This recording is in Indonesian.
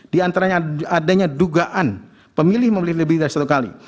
di antaranya adanya dugaan pemilih memilih lebih dari satu kali